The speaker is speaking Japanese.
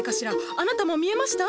あなたも見えました？